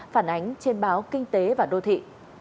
phản ánh trên báo kinh tế và đô thị